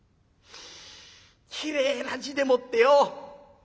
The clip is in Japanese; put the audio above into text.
きれいな字でもってよ。